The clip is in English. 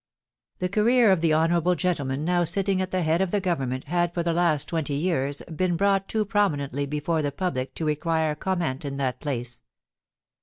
The career of the honourable gentleman now sitting at the head of the Government had for the last twenty years been brought too prominently before the public to require comment in that place.